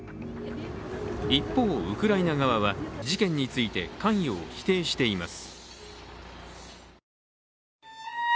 一方、ウクライナ側は事件について関与を否定しています。